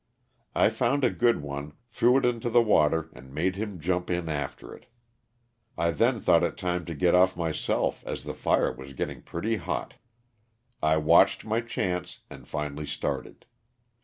I found a good one, threw it into the water and made him jump in after it. I then thought it time to get o : myself as the fire was getting pretty hot. I watched my chance and finally started.